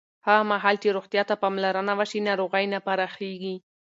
هغه مهال چې روغتیا ته پاملرنه وشي، ناروغۍ نه پراخېږي.